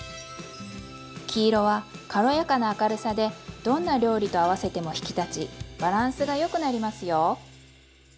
黄色は軽やかな明るさでどんな料理と合わせても引き立ちバランスがよくなりますよ。